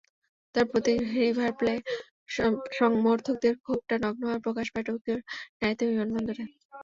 তাঁর প্রতি River Plate সমর্থকদের ক্ষোভটা নগ্নভাবে প্রকাশ পায় টোকিওর নারিতা বিমানবন্দরে।